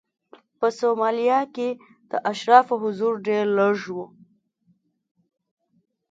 په سومالیا کې د اشرافو حضور ډېر لږ و.